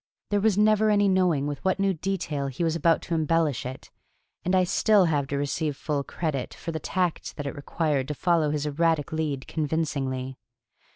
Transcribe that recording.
There was never any knowing with what new detail he was about to embellish it: and I have still to receive full credit for the tact that it required to follow his erratic lead convincingly.